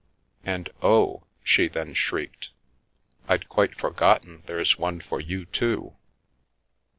"And, oh!" she then shrieked, "I'd quite forgotten there's one for you, too